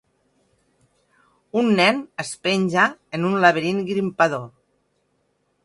Un nen es penja en un laberint grimpador.